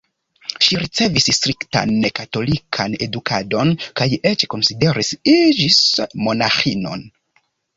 Ŝi ricevis striktan katolikan edukadon kaj eĉ konsideris iĝis monaĥino.